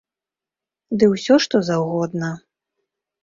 Ды ўсё што заўгодна!